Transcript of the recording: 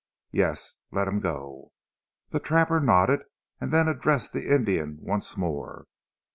"Yes! Let him go." The trapper nodded and then addressed the Indian once more.